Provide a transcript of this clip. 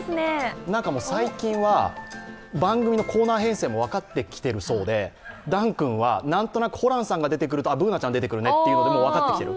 最近は番組のコーナー編成も分かってきているそうで、暖君はなんとなくホランさんが出てくるとＢｏｏｎａちゃん、出てくるねって分かってきている。